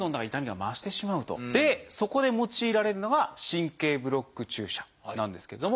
そこで用いられるのが神経ブロック注射なんですけれども。